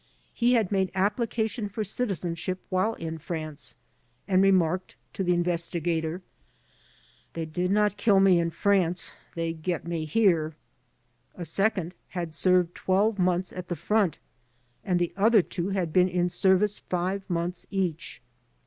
He had made application for citizenship while in France and remarked to the investigator : "They did not kill me in France ; th€y get me here." A second had served twelve months at the front, and the other two had been in service five months each.